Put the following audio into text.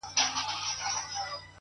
عاجزي د شخصیت ښکلا ده؛